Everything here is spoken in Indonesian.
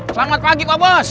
selamat pagi pak bos